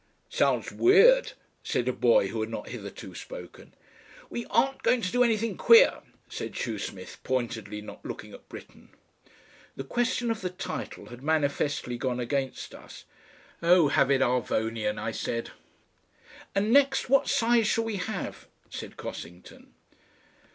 "Sounds Weird," said a boy who had not hitherto spoken. "We aren't going to do anything Queer," said Shoesmith, pointedly not looking at Britten. The question of the title had manifestly gone against us. "Oh! HAVE it ARVONIAN," I said. "And next, what size shall we have?" said Cossington.